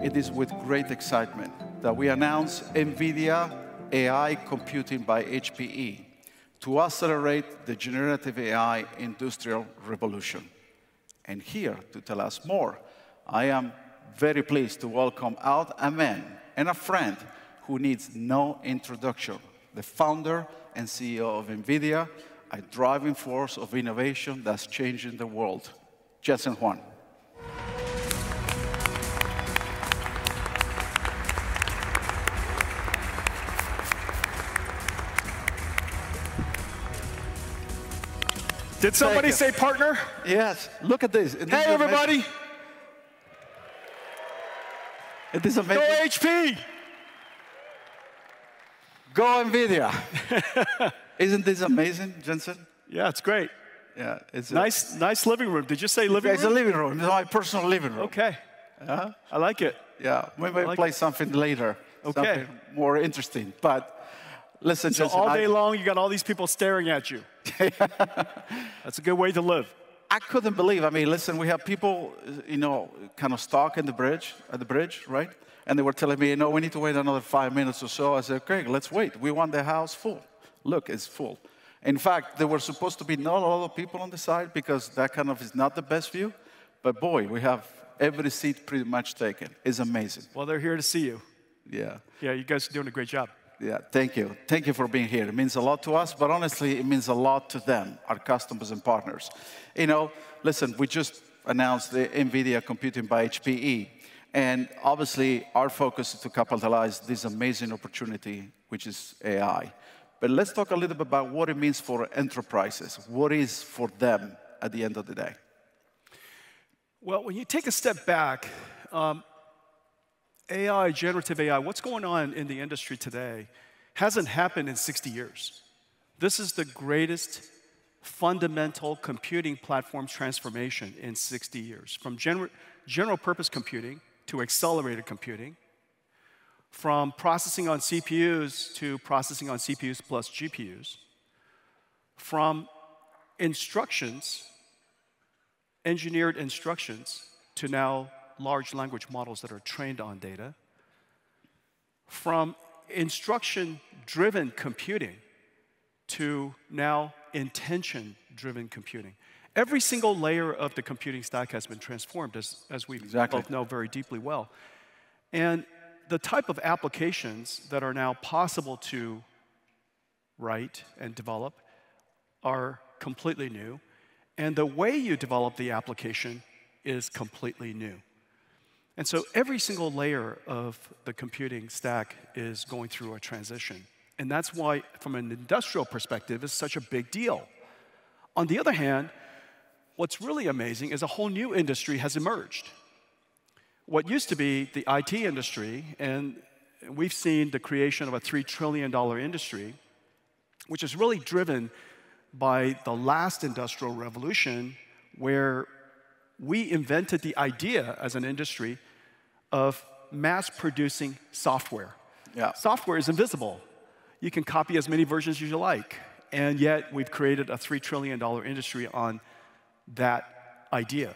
It is with great excitement that we announce NVIDIA AI Computing by HPE to accelerate the generative AI industrial revolution. And here to tell us more, I am very pleased to welcome out a man and a friend who needs no introduction: the Founder and CEO of NVIDIA, a driving force of innovation that's changing the world, Jensen Huang. Did somebody say partner? Yes. Look at this. Hey, everybody. It is amazing. Go HPE. Go NVIDIA. Isn't this amazing, Jensen? Yeah, it's great. Yeah. Nice living room. Did you say living room? It's a living room. It's my personal living room. Okay. I like it. Yeah. We may play something later. Okay. Something more interesting. But listen, Jensen. All day long, you got all these people staring at you. That's a good way to live. I couldn't believe, I mean, listen, we have people, you know, kind of stuck in the bridge, at the bridge, right? And they were telling me, you know, we need to wait another 5 minutes or so. I said, okay, let's wait. We want the house full. Look, it's full. In fact, there were supposed to be not a lot of people on the side because that kind of is not the best view. But boy, we have every seat pretty much taken. It's amazing. Well, they're here to see you. Yeah. Yeah, you guys are doing a great job. Yeah, thank you. Thank you for being here. It means a lot to us, but honestly, it means a lot to them, our customers and partners. You know, listen, we just announced the NVIDIA Computing by HPE. And obviously, our focus is to capitalize this amazing opportunity, which is AI. But let's talk a little bit about what it means for enterprises. What is for them at the end of the day? Well, when you take a step back, AI, generative AI, what's going on in the industry today hasn't happened in 60 years. This is the greatest fundamental computing platform transformation in 60 years. From general-purpose computing to accelerated computing, from processing on CPUs to processing on CPUs plus GPUs, from instructions, engineered instructions to now large language models that are trained on data, from instruction-driven computing to now intention-driven computing. Every single layer of the computing stack has been transformed, as we both know very deeply well. And the type of applications that are now possible to write and develop are completely new. And the way you develop the application is completely new. And so every single layer of the computing stack is going through a transition. And that's why, from an industrial perspective, it's such a big deal. On the other hand, what's really amazing is a whole new industry has emerged. What used to be the IT industry, and we've seen the creation of a $3 trillion industry, which is really driven by the last industrial revolution where we invented the idea as an industry of mass-producing software. Software is invisible. You can copy as many versions as you like. And yet, we've created a $3 trillion industry on that idea.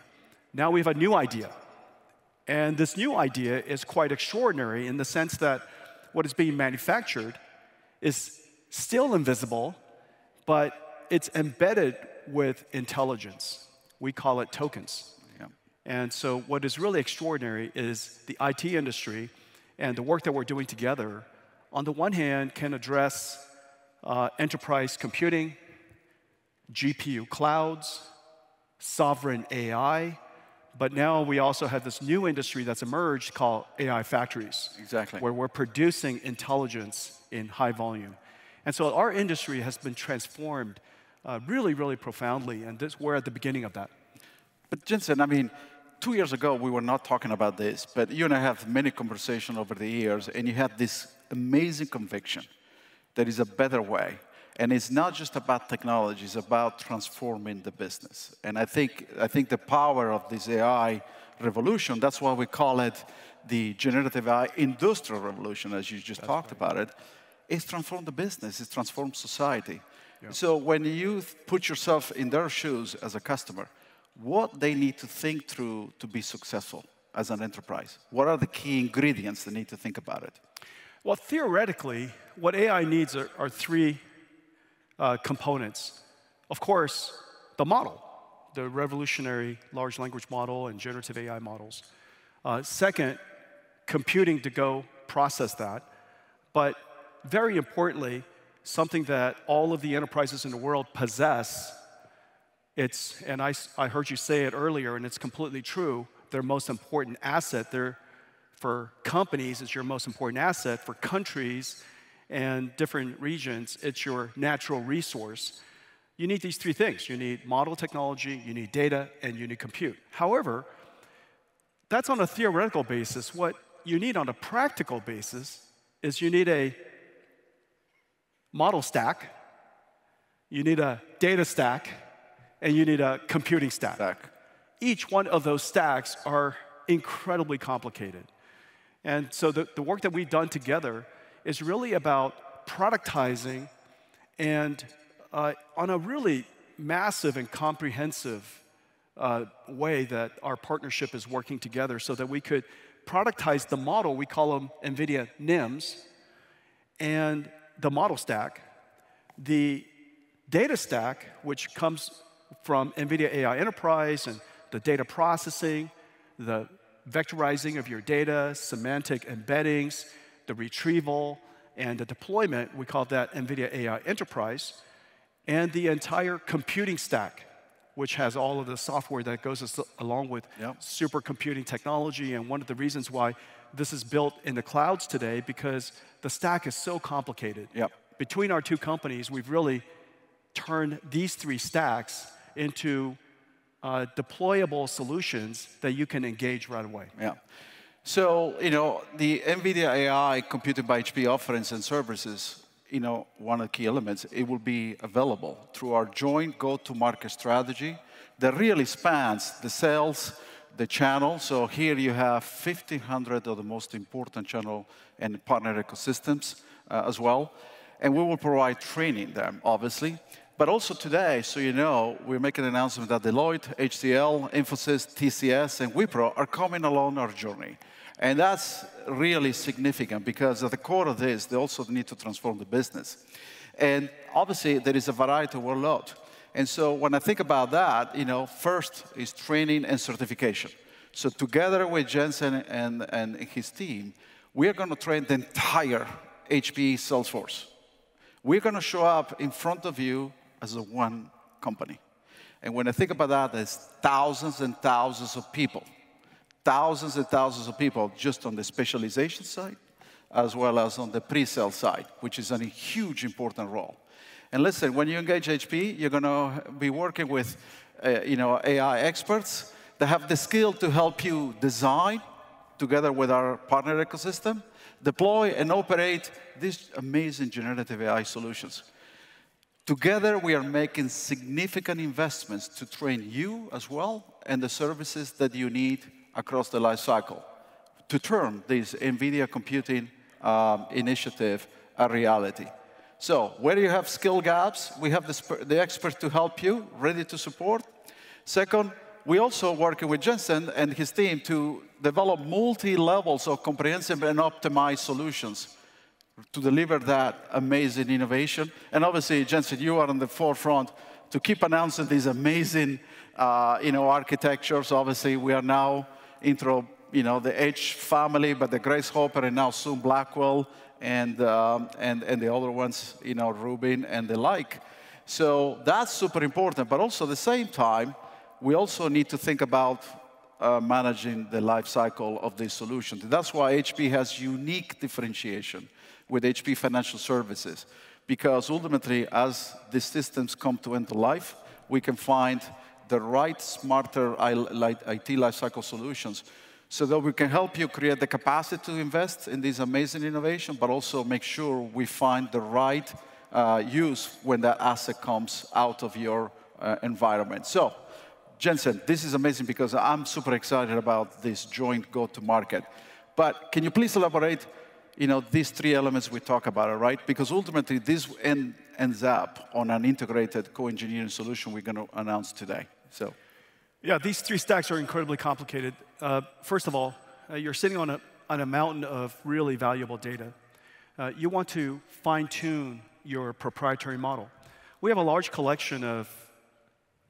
Now we have a new idea. And this new idea is quite extraordinary in the sense that what is being manufactured is still invisible, but it's embedded with intelligence. We call it tokens. And so what is really extraordinary is the IT industry and the work that we're doing together, on the one hand, can address enterprise computing, GPU clouds, sovereign AI. But now we also have this new industry that's emerged called AI factories. Exactly. Where we're producing intelligence in high volume. And so our industry has been transformed really, really profoundly. And we're at the beginning of that. But Jensen, I mean, two years ago, we were not talking about this. But you and I have many conversations over the years, and you have this amazing conviction that there is a better way. And it's not just about technology. It's about transforming the business. And I think, I think the power of this AI revolution, that's why we call it the generative AI industrial revolution, as you just talked about it, is transforming the business. It's transforming society. So when you put yourself in their shoes as a customer, what do they need to think through to be successful as an enterprise? What are the key ingredients they need to think about it? Well, theoretically, what AI needs are three components. Of course, the model, the revolutionary large language model and generative AI models. Second, computing to go process that. But very importantly, something that all of the enterprises in the world possess, and I heard you say it earlier, and it's completely true, their most important asset. For companies, it's your most important asset. For countries and different regions, it's your natural resource. You need these three things. You need model technology, you need data, and you need compute. However, that's on a theoretical basis. What you need on a practical basis is you need a model stack, you need a data stack, and you need a computing stack. Each one of those stacks are incredibly complicated. And so the work that we've done together is really about productizing and on a really massive and comprehensive way that our partnership is working together so that we could productize the model. We call them NVIDIA NIMs and the model stack. The data stack, which comes from NVIDIA AI Enterprise and the data processing, the vectorizing of your data, semantic embeddings, the retrieval and the deployment, we call that NVIDIA AI Enterprise, and the entire computing stack, which has all of the software that goes along with supercomputing technology. One of the reasons why this is built in the clouds today is because the stack is so complicated. Between our two companies, we've really turned these three stacks into deployable solutions that you can engage right away. Yeah. So, you know, the NVIDIA AI Computing by HPE offerings and services, you know, one of the key elements, it will be available through our joint go-to-market strategy that really spans the sales, the channels. So here you have 1,500 of the most important channels and partner ecosystems as well. And we will provide training them, obviously. But also today, so you know, we're making an announcement that Deloitte, HCL, Infosys, TCS, and Wipro are coming along our journey. And that's really significant because at the core of this, they also need to transform the business. And obviously, there is a variety of workloads. And so when I think about that, you know, first is training and certification. So together with Jensen and and and his team, we are going to train the entire HPE sales force. We're going to show up in front of you as one company. And when I think about that, there's thousands and thousands of people, thousands and thousands of people just on the specialization side, as well as on the presale side, which is a huge important role. And listen, when you engage HPE, you're going to be working with, you know, AI experts that have the skill to help you design together with our partner ecosystem, deploy and operate these amazing generative AI solutions. Together, we are making significant investments to train you as well and the services that you need across the lifecycle to turn this NVIDIA computing initiative a reality. So where do you have skill gaps? We have the experts to help you, ready to support. Second, we're also working with Jensen and his team to develop multi-levels of comprehensive and optimized solutions to deliver that amazing innovation. And obviously, Jensen, you are on the forefront to keep announcing these amazing, you know, architectures. Obviously, we are now into, you know, the H family, but the Grace Hopper and now soon Blackwell and and the other ones, you know, Rubin and the like. So that's super important. But also at the same time, we also need to think about managing the lifecycle of these solutions. And that's why HPE has unique differentiation with HPE Financial Services, because ultimately, as these systems come to end of life, we can find the right, smarter IT lifecycle solutions so that we can help you create the capacity to invest in this amazing innovation, but also make sure we find the right use when that asset comes out of your environment. So Jensen, this is amazing because I'm super excited about this joint go-to-market. But can you please elaborate, you know, these three elements we talk about, right? Because ultimately, this ends up on an integrated co-engineering solution we're going to announce today. Yeah, these three stacks are incredibly complicated. First of all, you're sitting on a mountain of really valuable data. You want to fine-tune your proprietary model. We have a large collection of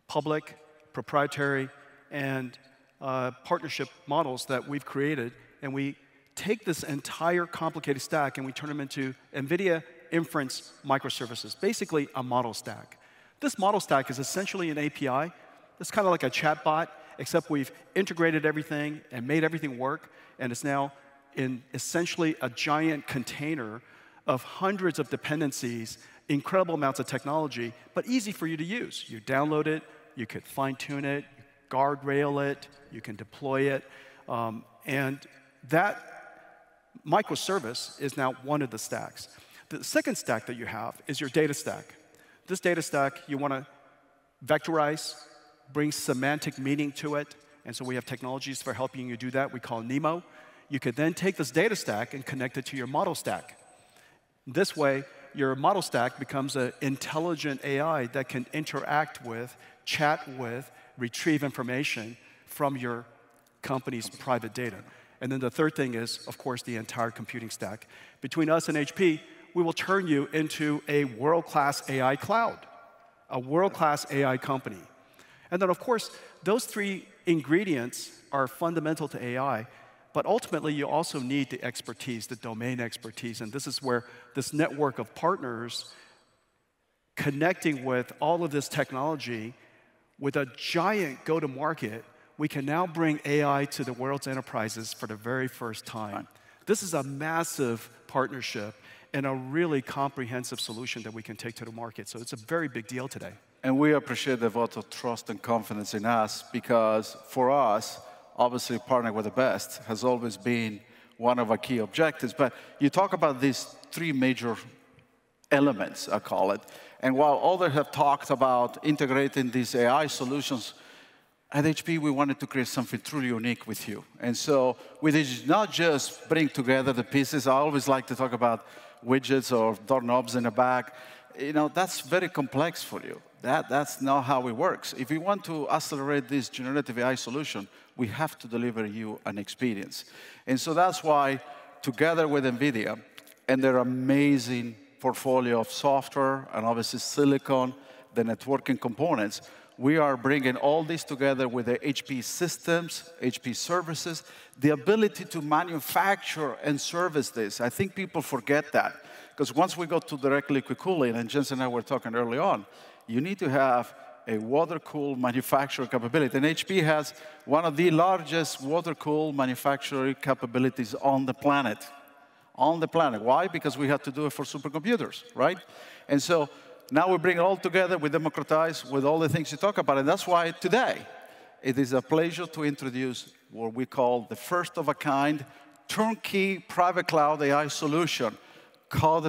public, proprietary, and partnership models that we've created. And we take this entire complicated stack and we turn them into NVIDIA Inference Microservices, basically a model stack. This model stack is essentially an API. It's kind of like a chatbot, except we've integrated everything and made everything work. And it's now in essentially a giant container of hundreds of dependencies, incredible amounts of technology, but easy for you to use. You download it, you could fine-tune it, guardrail it, you can deploy it. And that microservice is now one of the stacks. The second stack that you have is your data stack. This data stack, you want to vectorize, bring semantic meaning to it. So we have technologies for helping you do that. We call NIM. You could then take this data stack and connect it to your model stack. This way, your model stack becomes an intelligent AI that can interact with, chat with, retrieve information from your company's private data. Then the third thing is, of course, the entire computing stack. Between us and HPE, we will turn you into a world-class AI cloud, a world-class AI company. Then, of course, those three ingredients are fundamental to AI. But ultimately, you also need the expertise, the domain expertise. And this is where this network of partners connecting with all of this technology with a giant go-to-market, we can now bring AI to the world's enterprises for the very first time. This is a massive partnership and a really comprehensive solution that we can take to the market. So it's a very big deal today. And we appreciate the vote of trust and confidence in us because for us, obviously, partnering with the best has always been one of our key objectives. But you talk about these three major elements, I call it. While others have talked about integrating these AI solutions, at HPE, we wanted to create something truly unique with you. And so we did not just bring together the pieces. I always like to talk about widgets or doorknobs in a bag. You know, that's very complex for you. That's not how it works. If you want to accelerate this generative AI solution, we have to deliver you an experience. And so that's why, together with NVIDIA and their amazing portfolio of software and obviously silicon, the networking components, we are bringing all this together with the HPE systems, HPE services, the ability to manufacture and service this. I think people forget that because once we go to direct liquid cooling, and Jensen and I were talking early on, you need to have a water-cooled manufacturing capability. And HPE has one of the largest water-cooled manufacturing capabilities on the planet. On the planet. Why? Because we have to do it for supercomputers, right? And so now we bring it all together. We democratize with all the things you talk about. And that's why today it is a pleasure to introduce what we call the first-of-a-kind turnkey private cloud AI solution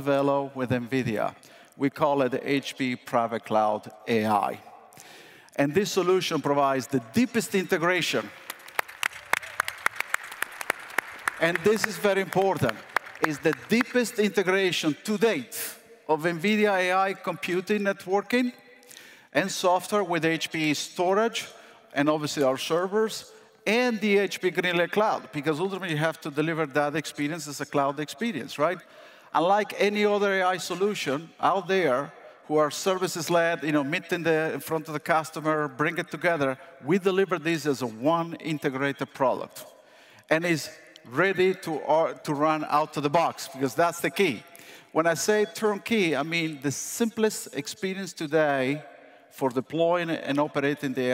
developed with NVIDIA. We call it HPE Private Cloud AI. And this solution provides the deepest integration. And this is very important. It's the deepest integration to date of NVIDIA AI computing networking and software with HPE storage and obviously our servers and the HPE GreenLake cloud because ultimately you have to deliver that experience as a cloud experience, right? Unlike any other AI solution out there who are services led, you know, meet in front of the customer, bring it together, we deliver this as a one integrated product and is ready to run out of the box because that's the key. When I say turnkey, I mean the simplest experience today for deploying and operating the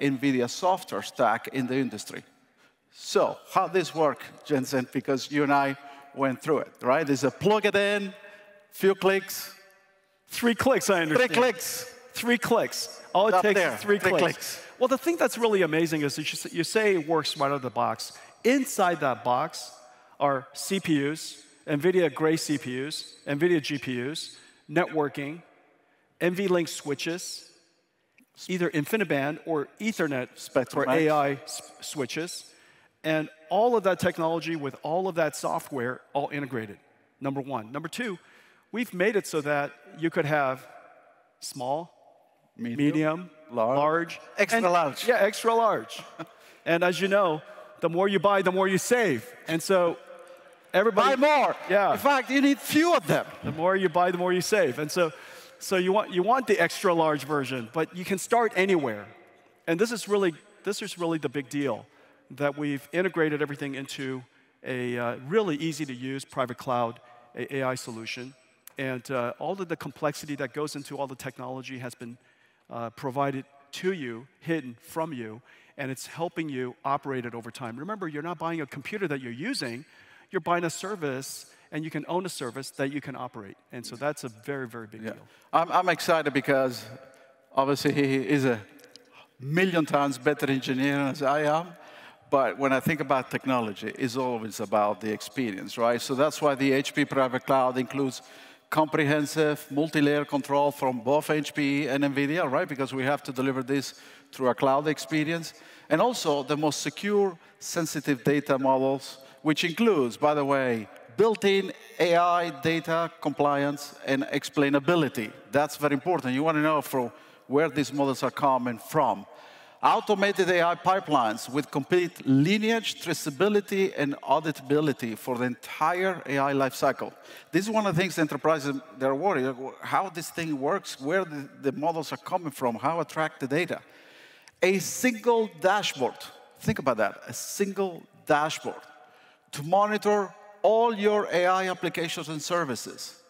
NVIDIA software stack in the industry. So how does this work, Jensen, because you and I went through it, right? It's a plug it in, a few clicks. 3 clicks, I understand. Three clicks. Three clicks. All it takes is three clicks. Well, the thing that's really amazing is you say it works right out of the box. Inside that box are CPUs, NVIDIA Grace CPUs, NVIDIA GPUs, networking, NVLink switches, either InfiniBand or Ethernet for AI switches. And all of that technology with all of that software all integrated, number 1. Number 2, we've made it so that you could have small, medium, large. Extra large. Yeah, extra large. And as you know, the more you buy, the more you save. And so everybody. Buy more. Yeah. In fact, you need fewer of them. The more you buy, the more you save. And so, so you want the extra large version, but you can start anywhere. And this is really, this is really the big deal that we've integrated everything into a really easy-to-use private cloud AI solution. And all of the complexity that goes into all the technology has been provided to you, hidden from you, and it's helping you operate it over time. Remember, you're not buying a computer that you're using. You're buying a service, and you can own a service that you can operate. And so that's a very, very big deal. Yeah. I'm excited because obviously he is a million times better engineer as I am. But when I think about technology, it's always about the experience, right? So that's why the HPE Private Cloud includes comprehensive multi-layer control from both HPE and NVIDIA, right? Because we have to deliver this through a cloud experience. And also the most secure sensitive data models, which includes, by the way, built-in AI data compliance and explainability. That's very important. You want to know from where these models are coming from. Automated AI pipelines with complete lineage, traceability, and auditability for the entire AI lifecycle. This is one of the things enterprises are worried about. How this thing works, where the models are coming from, how to track the data. A single dashboard. Think about that. A single dashboard to monitor all your AI applications and services.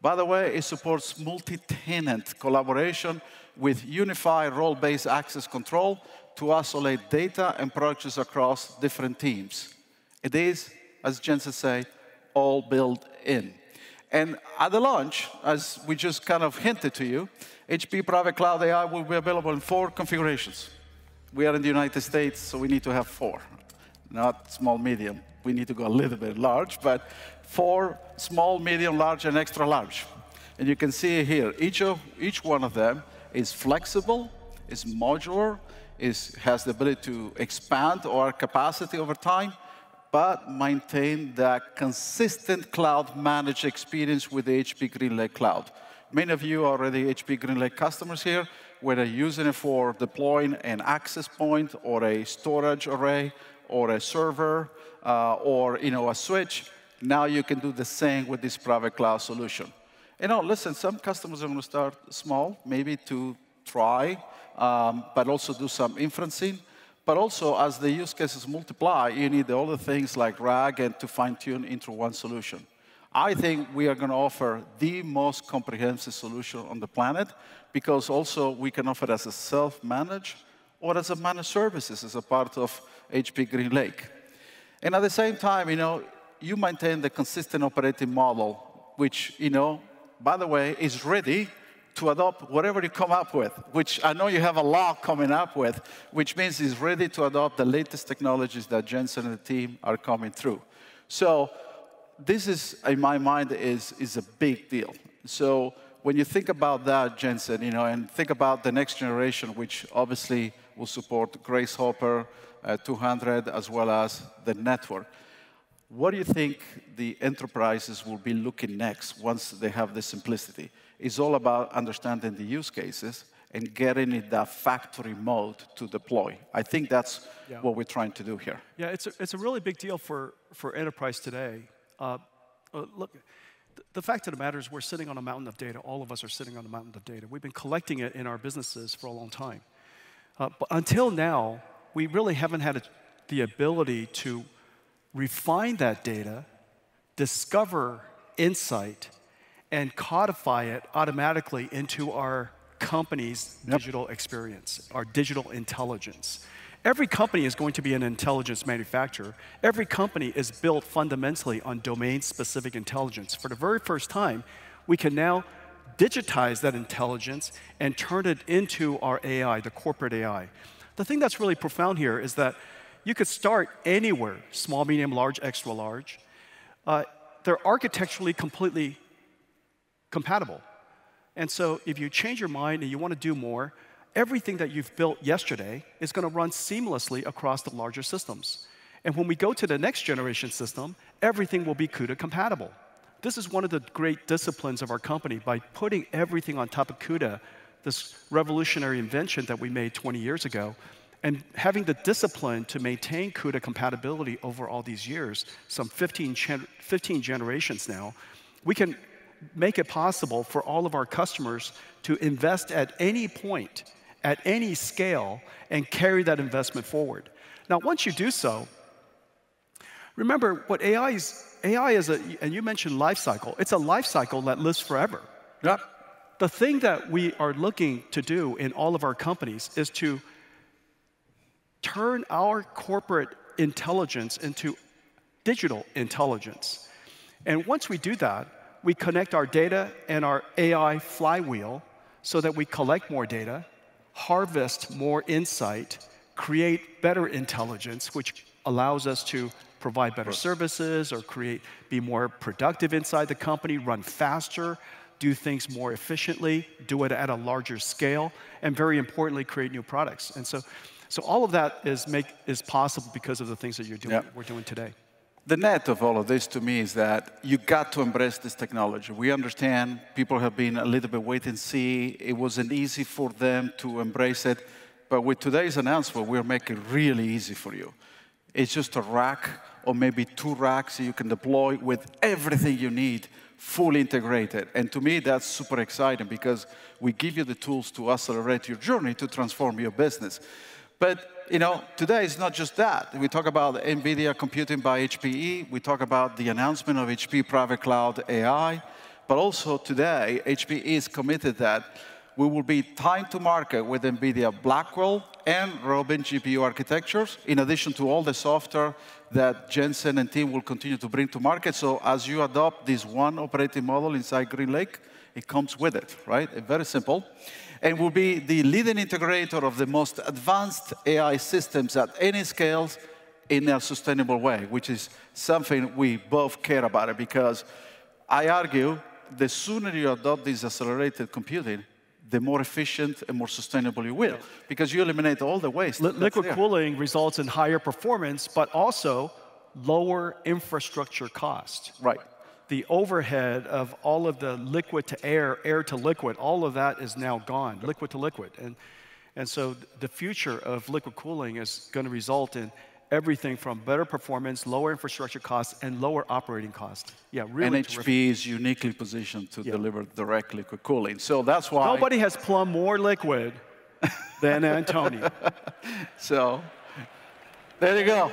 By the way, it supports multi-tenant collaboration with unified role-based access control to isolate data and purchase across different teams. It is, as Jensen said, all built in. And at the launch, as we just kind of hinted to you, HPE Private Cloud AI will be available in 4 configurations. We are in the United States, so we need to have 4, not small, medium. We need to go a little bit large, but 4, small, medium, large, and extra large. And you can see here, each one of them is flexible, is modular, has the ability to expand our capacity over time, but maintain that consistent cloud managed experience with the HPE GreenLake cloud. Many of you are already HPE GreenLake customers here where they're using it for deploying an access point or a storage array or a server or, you know, a switch. Now you can do the same with this private cloud solution. And now, listen, some customers are going to start small, maybe to try, but also do some inferencing. But also, as the use cases multiply, you need all the things like RAG and to fine-tune into one solution. I think we are going to offer the most comprehensive solution on the planet because also we can offer it as a self-managed or as a managed services as a part of HPE GreenLake. And at the same time, you know, you maintain the consistent operating model, which, you know, by the way, is ready to adopt whatever you come up with, which I know you have a lot coming up with, which means it's ready to adopt the latest technologies that Jensen and the team are coming through. So this is, in my mind, is a big deal. So when you think about that, Jensen, you know, and think about the next generation, which obviously will support Grace Hopper 200 as well as the network, what do you think the enterprises will be looking next once they have the simplicity? It's all about understanding the use cases and getting it that factory mold to deploy. I think that's what we're trying to do here. Yeah, it's a really big deal for for enterprise today. The fact of the matter is we're sitting on a mountain of data. All of us are sitting on a mountain of data. We've been collecting it in our businesses for a long time. But until now, we really haven't had the ability to refine that data, discover insight, and codify it automatically into our company's digital experience, our digital intelligence. Every company is going to be an intelligence manufacturer. Every company is built fundamentally on domain-specific intelligence. For the very first time, we can now digitize that intelligence and turn it into our AI, the corporate AI. The thing that's really profound here is that you could start anywhere: small, medium, large, extra large. They're architecturally completely compatible. And so if you change your mind and you want to do more, everything that you've built yesterday is going to run seamlessly across the larger systems. When we go to the next generation system, everything will be CUDA compatible. This is one of the great disciplines of our company. By putting everything on top of CUDA, this revolutionary invention that we made 20 years ago, and having the discipline to maintain CUDA compatibility over all these years, some 15 generations now, we can make it possible for all of our customers to invest at any point, at any scale, and carry that investment forward. Now, once you do so, remember what AI is, and you mentioned lifecycle. It's a lifecycle that lives forever. The thing that we are looking to do in all of our companies is to turn our corporate intelligence into digital intelligence. And once we do that, we connect our data and our AI flywheel so that we collect more data, harvest more insight, create better intelligence, which allows us to provide better services or be more productive inside the company, run faster, do things more efficiently, do it at a larger scale, and very importantly, create new products. And so all of that is possible because of the things that we're doing today. The net of all of this to me is that you got to embrace this technology. We understand people have been a little bit wait and see. It wasn't easy for them to embrace it. But with today's announcement, we're making it really easy for you. It's just a rack or maybe two racks that you can deploy with everything you need, fully integrated. And to me, that's super exciting because we give you the tools to accelerate your journey to transform your business. But you know, today it's not just that. We talk about NVIDIA computing by HPE. We talk about the announcement of HPE Private Cloud AI. But also today, HPE is committed that we will be time to market with NVIDIA Blackwell and Rubin GPU architectures, in addition to all the software that Jensen and team will continue to bring to market. So as you adopt this one operating model inside GreenLake, it comes with it, right? Very simple. And we'll be the leading integrator of the most advanced AI systems at any scales in a sustainable way, which is something we both care about because I argue the sooner you adopt this accelerated computing, the more efficient and more sustainable you will because you eliminate all the waste. Liquid cooling results in higher performance, but also lower infrastructure cost. Right. The overhead of all of the liquid to air, air to liquid, all of that is now gone, liquid to liquid. And so the future of liquid cooling is going to result in everything from better performance, lower infrastructure costs, and lower operating costs. Yeah, really interesting. HPE is uniquely positioned to deliver direct liquid cooling. So that's why. Nobody has plumbed more liquid than Antonio. There you go.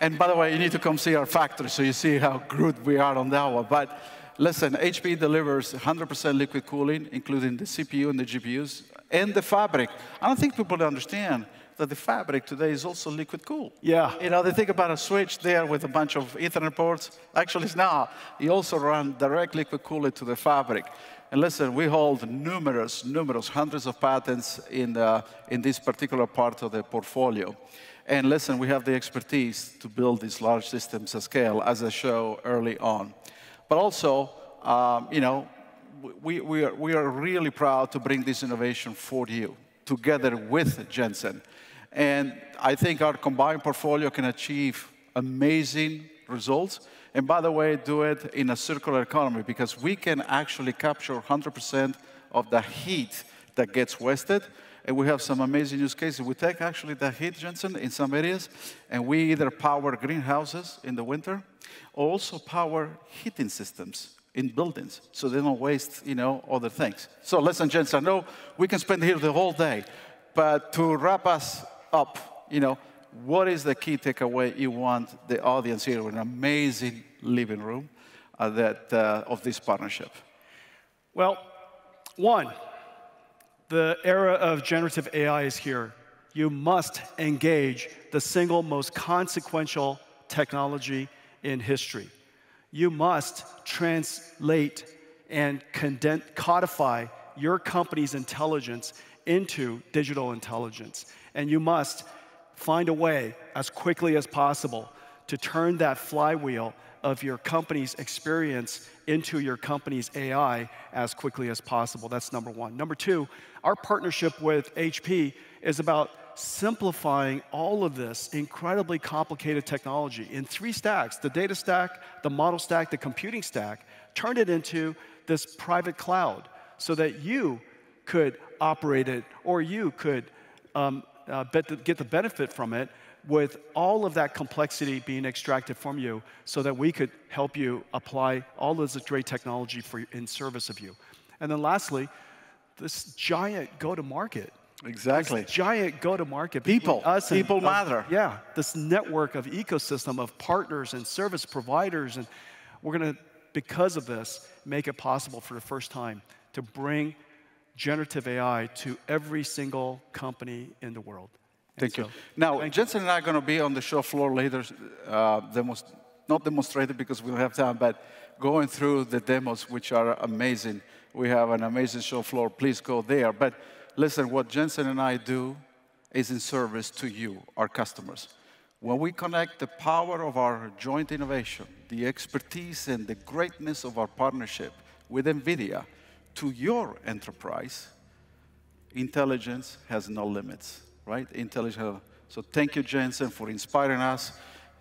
And by the way, you need to come see our factory so you see how good we are on that one. Listen, HPE delivers 100% liquid cooling, including the CPU and the GPUs and the fabric. I don't think people understand that the fabric today is also liquid-cooled. Yeah. You know, they think about a switch there with a bunch of Ethernet ports. Actually, it's not. You also run direct liquid cooling to the fabric. And listen, we hold numerous, numerous hundreds of patents in this particular part of the portfolio. And listen, we have the expertise to build these large systems at scale, as I show early on. But also, you know, we are really proud to bring this innovation for you together with Jensen. And I think our combined portfolio can achieve amazing results. And by the way, do it in a circular economy because we can actually capture 100% of the heat that gets wasted. And we have some amazing use cases. We take actually the heat, Jensen, in some areas, and we either power greenhouses in the winter or also power heating systems in buildings so they don't waste, you know, other things. Listen, Jensen, I know we can spend here the whole day, but to wrap us up, you know, what is the key takeaway you want the audience here with an amazing living room of this partnership? Well, one, the era of generative AI is here. You must engage the single most consequential technology in history. You must translate and codify your company's intelligence into digital intelligence. And you must find a way as quickly as possible to turn that flywheel of your company's experience into your company's AI as quickly as possible. That's number one. Number two, our partnership with HPE is about simplifying all of this incredibly complicated technology in three stacks: the data stack, the model stack, the computing stack, turn it into this private cloud so that you could operate it or you could get the benefit from it with all of that complexity being extracted from you so that we could help you apply all of this great technology in service of you. And then lastly, this giant go-to-market. Exactly. This giant go-to-market. People. Us. People matter. Yeah. This network of ecosystem of partners and service providers. We're going to, because of this, make it possible for the first time to bring generative AI to every single company in the world. Thank you. Now, Jensen and I are going to be on the show floor later. Not demonstrated because we don't have time, but going through the demos, which are amazing. We have an amazing show floor. Please go there. But listen, what Jensen and I do is in service to you, our customers. When we connect the power of our joint innovation, the expertise, and the greatness of our partnership with NVIDIA to your enterprise, intelligence has no limits, right? So thank you, Jensen, for inspiring us.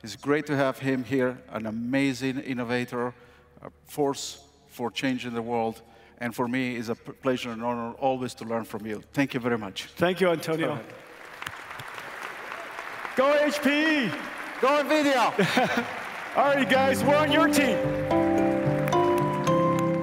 It's great to have him here, an amazing innovator, a force for change in the world. For me, it's a pleasure and honor always to learn from you. Thank you very much. Thank you, Antonio. Go HPE. Go NVIDIA. All right, guys. We're on your team.